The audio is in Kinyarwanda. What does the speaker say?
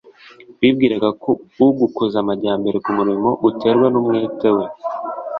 bibwiraga ko ugukuza amajyambere k'umurimo guterwa n'umwete we